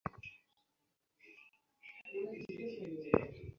জ্যোতিবাবু কেন ওসমান গনির বাড়িতে কখনো যেতেন না?